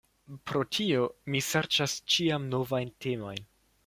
Pro tio mi serĉas ĉiam novajn temojn.